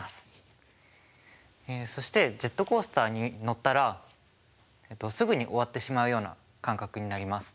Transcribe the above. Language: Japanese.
そしてジェットコースターに乗ったらえっとすぐに終わってしまうような感覚になります。